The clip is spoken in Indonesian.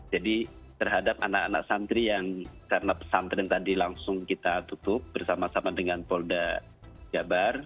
jadi terhadap anak anak santri yang karena pesantren tadi langsung kita tutup bersama sama dengan polda jabar